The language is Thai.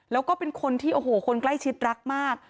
แล้วก็เป็นคนที่โอ้โหคนใกล้ชิดรักมาก